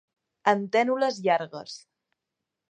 Antènules llargues.